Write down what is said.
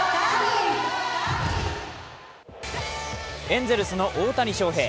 エンゼルスの大谷翔平。